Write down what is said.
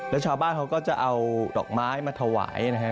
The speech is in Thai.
แล้วชาวบ้านเขาก็จะเอาดอกไม้มาถวายนะฮะ